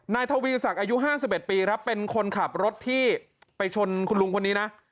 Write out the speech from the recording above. นายทวีศักดิ์อายุ๕๑ปีครับเป็นคนขับรถที่ไปชนคุณลุงคนนี้นะ